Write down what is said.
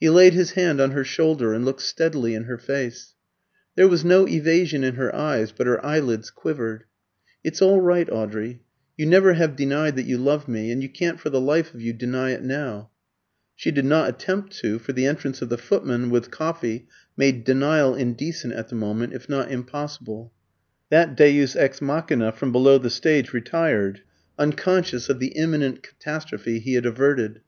He laid his hand on her shoulder and looked steadily in her face. There was no evasion in her eyes, but her eyelids quivered. "It's all right, Audrey; you never have denied that you love me, and you can't for the life of you deny it now." She did not attempt to; for the entrance of the footman with coffee made denial indecent at the moment, if not impossible. That deus ex machina from below the stage retired, unconscious of the imminent catastrophe he had averted.